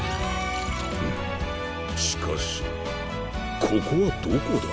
しかしここはどこだ？